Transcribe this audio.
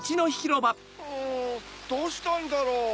うんどうしたんだろう？